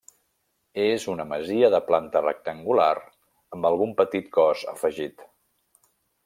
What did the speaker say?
És una masia de planta rectangular amb algun petit cos afegit.